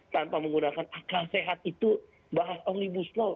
tanpa menggunakan akal sehat itu bahas omnibus law